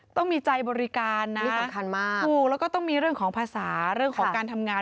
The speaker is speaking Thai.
ต้องมีใจบริการนะนี่สำคัญมากถูกแล้วก็ต้องมีเรื่องของภาษาเรื่องของการทำงาน